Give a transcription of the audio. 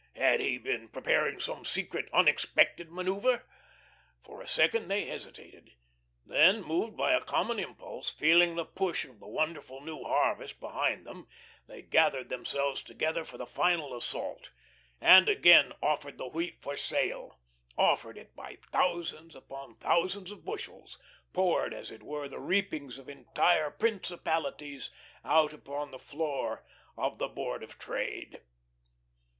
Had he been preparing some secret, unexpected manoeuvre? For a second they hesitated, then moved by a common impulse, feeling the push of the wonderful new harvest behind them, they gathered themselves together for the final assault, and again offered the wheat for sale; offered it by thousands upon thousands of bushels; poured, as it were, the reapings of entire principalities out upon the floor of the Board of Trade.